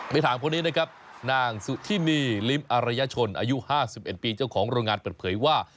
ถามคนนี้นะครับนางสุธินีลิ้มอารยชนอายุ๕๑ปีเจ้าของโรงงานเปิดเผยว่า